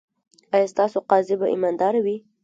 ایا ستاسو قاضي به ایماندار وي؟